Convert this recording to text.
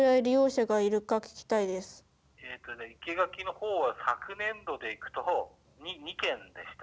生け垣の方は昨年度でいくと２件でした。